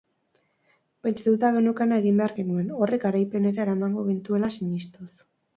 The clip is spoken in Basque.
Pentsatuta geneukana egin behar genuen, horrek garaipenera eramango gintuela sinistuz.